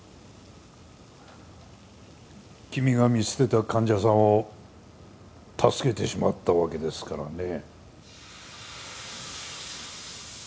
君が見捨てた患者さんを助けてしまったわけですからね。